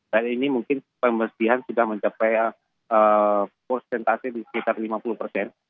dan ini mungkin pembersihan sudah mencapai prosentasi di sekitar lima puluh persen